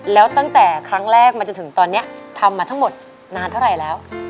แล้วตั้งแต่ครั้งแรกมาจนถึงตอนนี้ทำมาทั้งหมดนานเท่าไหร่แล้ว